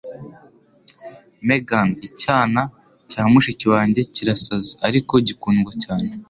Megan - icyana cya mushiki wanjye kirasaze, ariko gikundwa cyane.